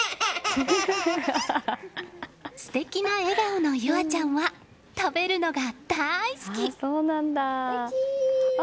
素敵な笑顔の結葵ちゃんは食べるのが大好き！